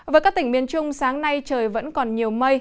với các tỉnh miền trung sáng nay trời vẫn còn nhiều mây